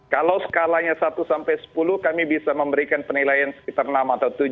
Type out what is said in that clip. kalau skalanya satu sampai sepuluh kami bisa memberikan penilaian sekitar enam atau tujuh